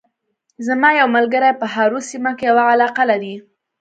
زما یو ملګری په هارو سیمه کې یوه علاقه لري